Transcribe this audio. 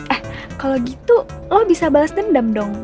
eh kalau gitu lo bisa balas dendam dong